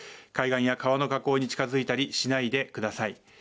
海岸や川の河口に近づいたりしないでください。